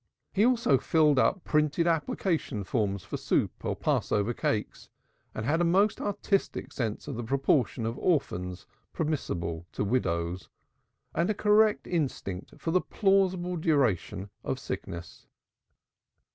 He also filled up printed application forms for Soup or Passover cakes, and had a most artistic sense of the proportion of orphans permissible to widows and a correct instinct for the plausible duration of sicknesses.